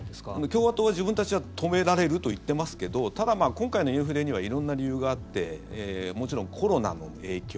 共和党は、自分たちは止められると言ってますけどただ、今回のインフレには色んな理由があってもちろんコロナの影響